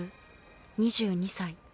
２２歳